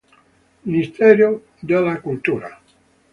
Ministero della cultura